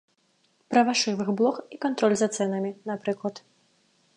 Пра вашывых блох і кантроль за цэнамі, напрыклад.